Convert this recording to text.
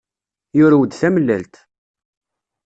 Yurew-d tamellalt.